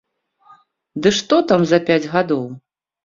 Ды што там за пяць гадоў!